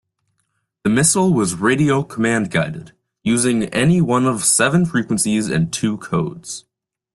The missile was radio-command guided, using any one of seven frequencies and two codes.